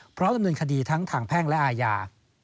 พร้อมดำเนินคดีทั้งทางแพ่งและอาญา